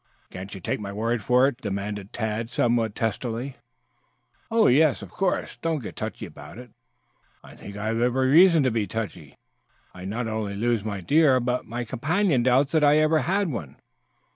"Can't you take my word for it?" demanded Tad somewhat testily. "Oh, yes, of course. Don't get touchy about it." "I think I have reason to be touchy. I not only lose my deer, but my companion doubts that I ever had one."